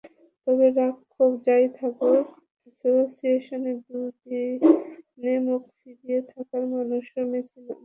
তবে রাগ-ক্ষোভ যা–ই থাকুক, অ্যাসোসিয়েশনের দুর্দিনে মুখ ফিরিয়ে থাকার মানুষও মেসি নন।